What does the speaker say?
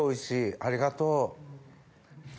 ありがとう。